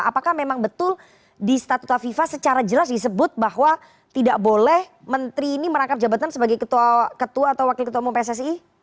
apakah memang betul di statuta fifa secara jelas disebut bahwa tidak boleh menteri ini merangkap jabatan sebagai ketua atau wakil ketua umum pssi